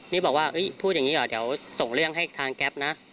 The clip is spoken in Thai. นี่บอกว่าพูดอย่างนี้หรอเดี๋ยวส่งเรื่องให้ทางแก๊ปนะ